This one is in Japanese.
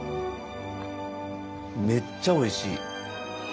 めっちゃおいしい。